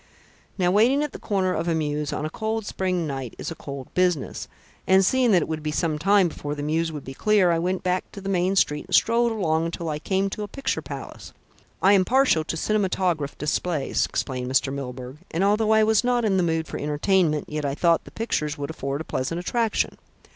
"Now, waiting at the corner of a mews on a cold spring night is a cold business, and seeing that it would be some time before the mews would be clear, I went back to the main street and strolled along until I came to a picture palace. I am partial to cinematograph displays," explained Mr. Milburgh, "and, although I was not in the mood for entertainment, yet I thought the pictures would afford a pleasant attraction.